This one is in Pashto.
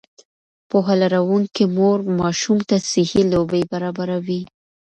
پوهه لرونکې مور ماشوم ته صحي لوبې برابروي.